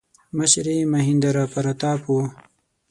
مشر یې مهیندراپراتاپ و.